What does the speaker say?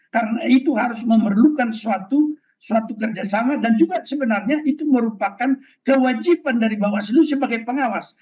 karena itu harus memerlukan suatu kerjasama dan juga sebenarnya itu merupakan kewajiban dari bawah slu sebagai pengawas